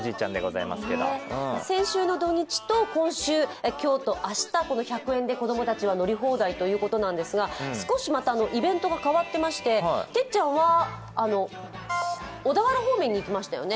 先週の土日と今週、今日と明日、この１００円で子供たちは乗り放題ということなんですが少しイベントが変わってまして、てっちゃんは小田原方面に行きましたよね。